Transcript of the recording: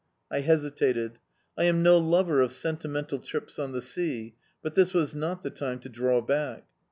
I hesitated. I am no lover of sentimental trips on the sea; but this was not the time to draw back.